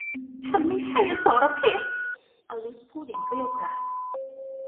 ฉันไม่ใช่อสรพิษ อลิซพูดอย่างเกรี้ยวกราด